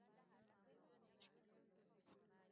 Mzee huyo ameandika vitabu vingi sana